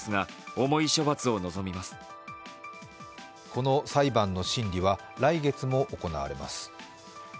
この裁判の審理は来月も行われます。